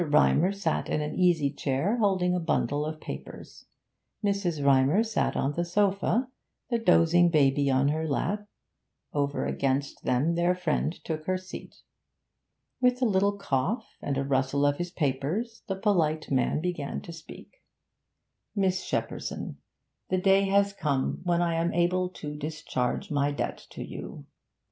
Rymer sat in an easy chair, holding a bundle of papers; Mrs. Rymer sat on the sofa, the dozing baby on her lap; over against them their friend took her seat. With a little cough and a rustle of his papers, the polite man began to speak 'Miss Shepperson, the day has come when I am able to discharge my debt to you.